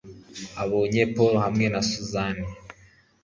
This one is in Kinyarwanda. abonye Paul hamwe na Suzanne